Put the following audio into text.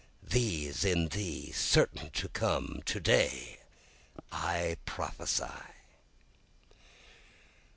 these in thee, (certain to come,) to day I prophesy.